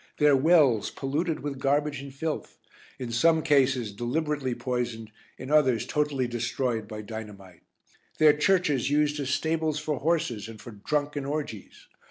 Their wells polluted with garbage and filth; in some cases deliberately poisoned, in others totally destroyed by dynamite. Their churches used as stables for horses and for drunken orgies.